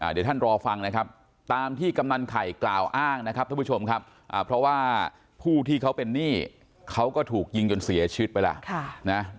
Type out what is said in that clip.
เดี๋ยวท่านรอฟังนะครับตามที่กำนันไข่กล่าวอ้างนะครับท่านผู้ชมครับเพราะว่าผู้ที่เขาเป็นหนี้เขาก็ถูกยิงจนเสียชีวิตไปแล้ว